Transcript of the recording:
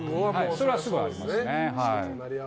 それはすごいありますね。